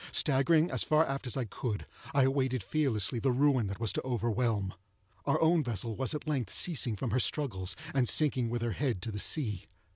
Staggering as far aft as I could, I awaited fearlessly the ruin that was to overwhelm. Our own vessel was at length ceasing from her struggles, and sinking with her head to the sea.